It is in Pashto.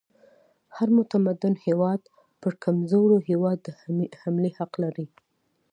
هر متمدن هیواد پر کمزوري هیواد د حملې حق لري.